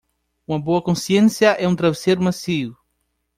Uma boa consciência é um travesseiro macio.